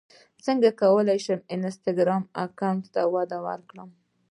څنګه کولی شم د انسټاګرام اکاونټ وده ورکړم